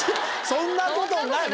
そんなことない。